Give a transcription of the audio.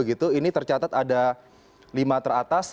ini tercatat ada lima teratas